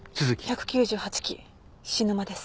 １９８期菱沼です。